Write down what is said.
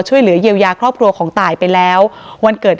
ช่วยเหลือเยียวยาครอบครัวของตายไปแล้ววันเกิด